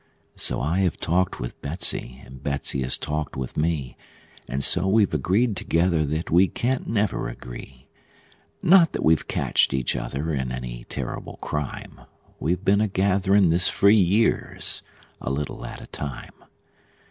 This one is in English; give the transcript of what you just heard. So I have talked with Betsey, and Betsey has talked with me, And so we've agreed together that we can't never agree; Not that we've catched each other in any terrible crime; We've been a gathering this for years, a little at a time.